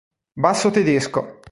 Basso tedesco